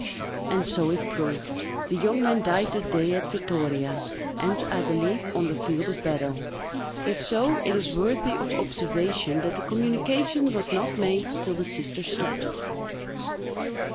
And so it proved: the young man died that day at Vittoria, and, I believe, on the field of battle. If so, it is worthy of observation that the communication was not made till the sisters slept.